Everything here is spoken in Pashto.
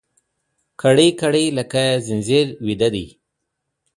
كړۍ، كـړۍ لكه ځنځير ويـده دی